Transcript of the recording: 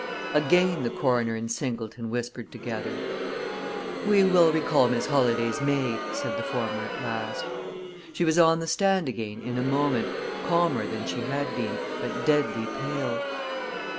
Again the coroner and Singleton whispered together. "We will recall Miss Holladay's maid," said the former at last. She was on the stand again in a moment, calmer than she had been, but deadly pale.